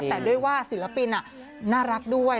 แต่ด้วยว่าศิลปินน่ารักด้วย